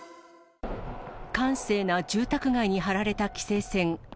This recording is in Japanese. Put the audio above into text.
閑静な住宅街に張られた規制線。